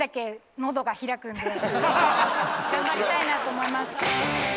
頑張りたいなと思います。